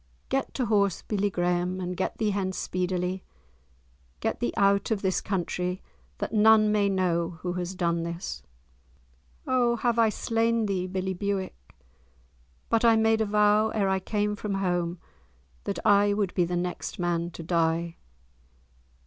"Get to horse, billie Graeme, and get thee hence speedily. Get thee out of this country—that none may know who has done this." "O have I slain thee, billie Bewick? But I made a vow, ere I came from home, that I would be the next man to die!"